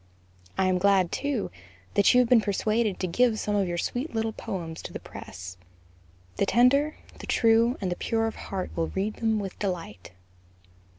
I am glad, too, that you have been persuaded to give some of your sweet little poems to the press; the tender, the true, and the pure of heart will read them with delight.